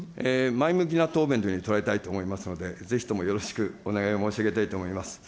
前向きな答弁に捉えたいと思いますので、ぜひともよろしくお願い申し上げたいと思います。